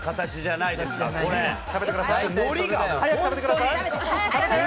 早く食べてください。